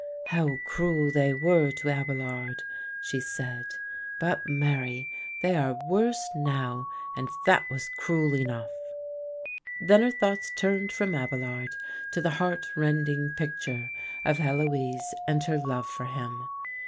"How cruel they were to Abelard," she said, "but marry, they are worse now, and that was cruel enough." Then her thoughts turned from Abelard to the heart rending picture of Heloise and her love for him.